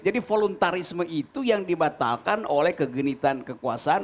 jadi voluntarisme itu yang dibatalkan oleh kegenitan kekuasaan